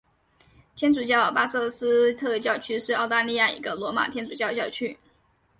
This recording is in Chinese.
天主教巴瑟斯特教区是澳大利亚一个罗马天主教教区。